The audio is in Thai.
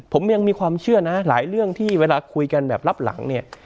ผมยังมีความเชื่อนะหลายเรื่องที่เวลาคุยกันแบบรับหลังเนี่ย